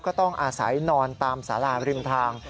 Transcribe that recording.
ก็ต้องอาศัยนอนตามสาราริมทาง